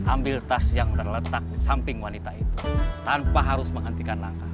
ambil tas yang terletak di samping wanita itu tanpa harus menghentikan langkah